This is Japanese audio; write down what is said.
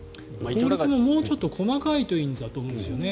法律ももうちょっと細かいといいと思うんですよね。